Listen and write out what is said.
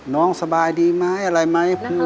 สบายดีไหมอะไรไหม